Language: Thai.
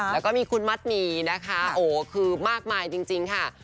แล้วก็มีคุณมัดหมี่นะคะโอ้คือมากมายจริงค่ะ